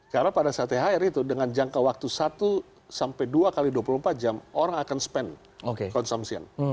karena pada saat thr itu dengan jangka waktu satu dua x dua puluh empat jam orang akan spend consumption